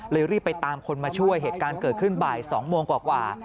รีบไปตามคนมาช่วยเหตุการณ์เกิดขึ้นบ่าย๒โมงกว่า